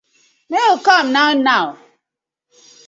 Mak yu com naw naw.